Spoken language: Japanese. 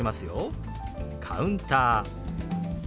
「カウンター」。